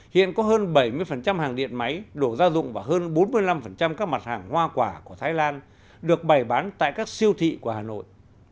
hiện có hơn bảy mươi hàng điện máy đổ gia dụng và hơn bốn mươi năm các mặt hàng hoa quả của thái lan được bày bán tại các siêu thị của hà nội